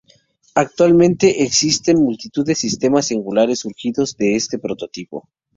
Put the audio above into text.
Actualmente existen multitud de sistemas similares surgidos de este prototipo.